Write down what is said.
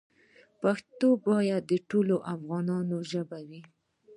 پښتو باید د ټولو افغانانو ژبه وي.